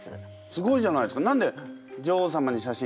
すごいじゃないですか。